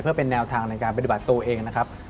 เพื่อเป็นแนวทางในการปฏิบัติตัวเองนะครับ